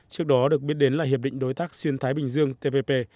trước đó được biết đến là hiệp định đối tác xuyên thái bình dương tpp